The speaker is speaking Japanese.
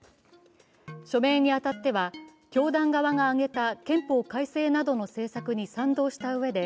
署名に当たっては、教団側が挙げた憲法改正などの政策に賛同したうえで